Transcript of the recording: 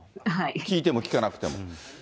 聞いても聞かなくても。